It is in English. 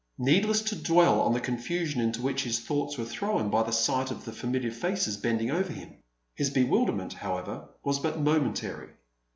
Needless to dwell on the confusion into which his thoughts were thrown by the sight of the familiar faces bending over him. His bewilderment, however, was but momentary.